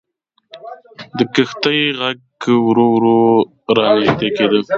د کښتۍ ږغ ورو ورو را نژدې کېده.